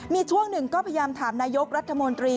มีช่วงหนึ่งก็พยายามถามนายกรัฐมนตรี